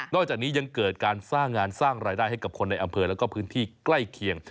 จากนี้ยังเกิดการสร้างงานสร้างรายได้ให้กับคนในอำเภอแล้วก็พื้นที่ใกล้เคียง